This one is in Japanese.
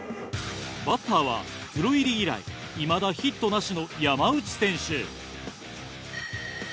バッターはプロ入り以来いまだヒットなし。